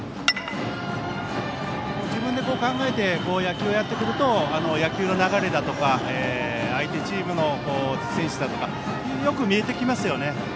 自分で考えて野球をやってくると野球の流れだとか相手チームの選手だとかがよく見えてきますね。